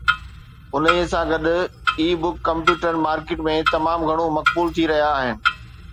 انهي سان گڏ، اي بک ڪمپيوٽرن مارڪيٽ ۾ تمام گهڻو مقبول ٿي رهيا آهن